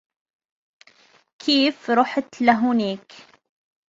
كيف رحت لهونيك ؟